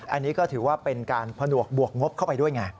อันนี้ก็ถือว่าเป็นการผนวกบวกงบเข้าไปด้วยไง